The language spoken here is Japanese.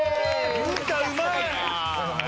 文太うまい。